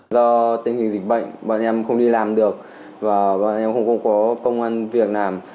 do tình hình dịch bệnh bọn em không đi làm được và em không có công an việc làm